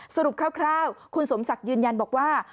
คร่าวคุณสมศักดิ์ยืนยันบอกว่า